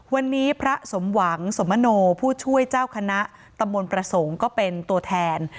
วันนี้พระสมหวังสมโนผู้ช่วยเจ้าคณะตำบลประสงค์ก็เป็นตัวแทน